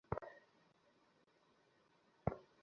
কিন্তু আমার কাছে প্রমাণ আছে।